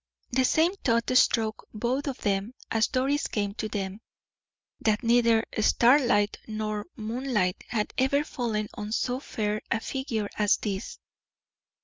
The same thought struck both of them as Doris came to them, that neither starlight nor moonlight had ever fallen on so fair a figure as this.